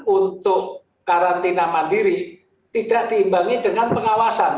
untuk karantina mandiri tidak diimbangi dengan pengawasan